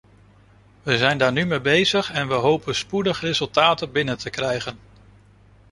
We zijn daar nu mee bezig en we hopen spoedig resultaten binnen te krijgen.